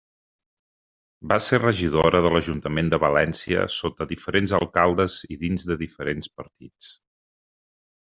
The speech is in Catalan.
Va ser regidora de l'Ajuntament de València sota diferents alcaldes i dins de diferents partits.